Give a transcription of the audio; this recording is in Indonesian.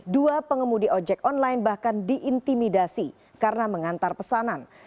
dua pengemudi ojek online bahkan diintimidasi karena mengantar pesanan